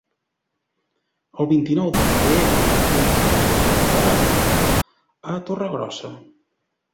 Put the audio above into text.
El vint-i-nou de febrer na Núria i en Jofre volen anar a Torregrossa.